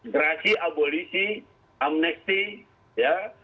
gerasi abolisi amnesti ya